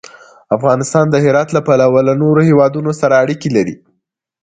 افغانستان د هرات له پلوه له نورو هېوادونو سره اړیکې لري.